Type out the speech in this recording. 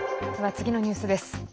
次のニュースです。